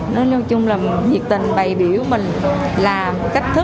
nói chung là nhiệt tình bày biểu mình là cách thức